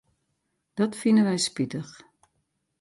Dat fine wy spitich.